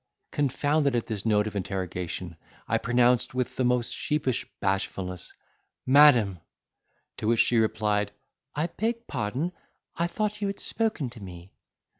Confounded at this note of interrogation, I pronounced with the most sheepish bashfulness, "Madam!" To which she replied, "I beg pardon—I thought you had spoken to me."